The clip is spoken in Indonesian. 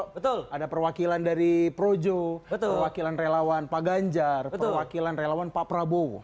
betul ada perwakilan dari projo perwakilan relawan pak ganjar perwakilan relawan pak prabowo